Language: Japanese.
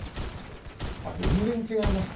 全然違いました。